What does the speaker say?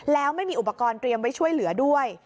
แล้วไม่มีอุปกรณ์เตรียมไว้ช่วยเหลือด้วย